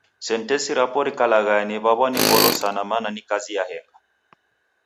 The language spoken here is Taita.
Sentensi rapo rikalaghaya ni'waw'a ni ngolo sana mana ni kazi yahenga.